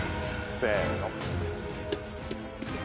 せの。